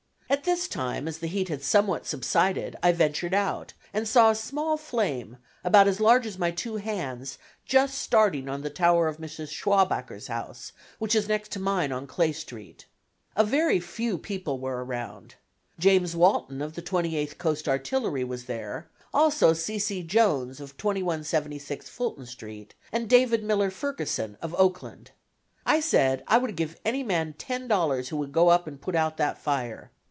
At this time, as the heat had somewhat subsided, I ventured out, and saw a small flame, about as large as my two hands, just starting on the tower of Mrs. Schwabacher's house, which is next to mine on Clay Street. A very few people were around. James Walton of the Twenty eighth Coast Artillery, was there, also C. C. Jones, of 2176 Fulton Street, and David Miller Ferguson, of Oakland. I said I would give any man ten dollars who would go up and put out that fire.